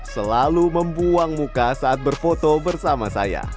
selalu membuang muka saat berfoto bersama saya